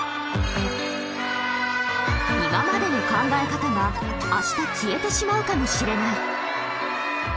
［今までの考え方があした消えてしまうかもしれない］